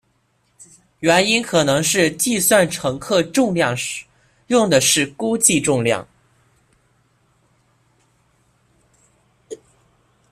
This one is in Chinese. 原因可能是计算乘客重量时用的是估计重量。